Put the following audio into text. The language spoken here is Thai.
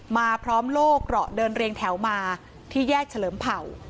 มาพร้อมโลกเกราะเดินเรียงแถวมาที่แยกเฉลิมเผ่า